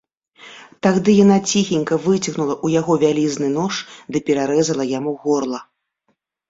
Тагды яна ціхенька выцягнула ў яго вялізны нож ды перарэзала яму горла.